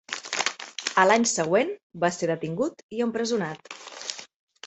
A l'any següent va ser detingut i empresonat.